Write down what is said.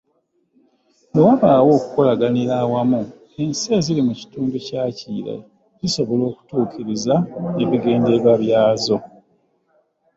Bwe wabaawo okukolaganira awamu ensi eziri mu Kitundu kya Kiyira zisobola okutuukiriza ebigendererwa byazo.